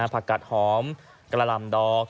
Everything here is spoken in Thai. ผักกัดหอมกะหล่ำดอก